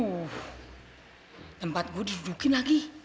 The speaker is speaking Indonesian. duh tempat gue didudukin lagi